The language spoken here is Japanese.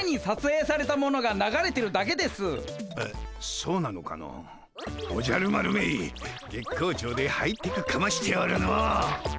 あそうなのかの。おじゃる丸め月光町でハイテクかましておるの。